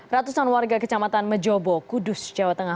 ratusan warga kecamatan mejobo kudus jawa tengah